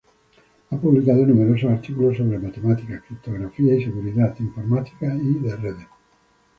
Ha publicado numerosos artículos sobre matemáticas, criptografía y seguridad informática y de redes.